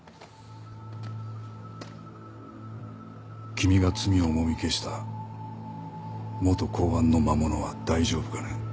君が罪をもみ消した元公安の魔物は大丈夫かね？